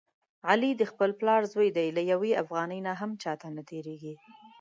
علي د خپل پلار زوی دی، له یوې افغانۍ نه هم چاته نه تېرېږي.